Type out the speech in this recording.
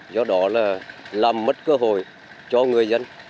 do đó là làm mất cơ hội cho người dân